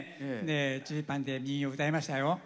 ジーパンで民謡うたいましたよ。